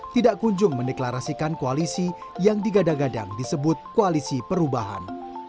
tidak kunjung mendeklarasikan koalisi yang digadang gadang disebut koalisi perubahan